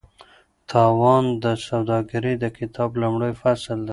تاوان د سوداګرۍ د کتاب لومړی فصل دی.